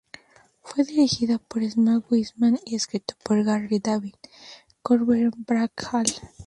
Fue dirigida por Sam Weisman y escrita por Gary David Goldberg y Brad Hall.